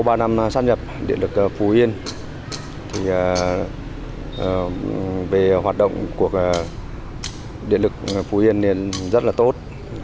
trong sắp nhập điện lực phú yên về hoạt động của điện lực phú yên nên rất là tốt